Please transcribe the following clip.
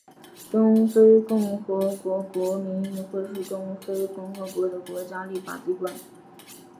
中非共和国国民议会是中非共和国的国家立法机关。